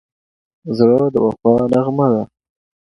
زړه د وفا نغمه ده.